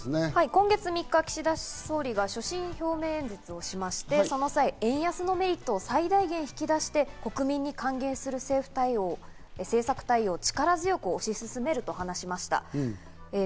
今月３日、岸田首相が所信表明演説をしまして、その時に円安のメリットを最大限引き出して国民に還元する政策対応を力強く推し進めると話しました。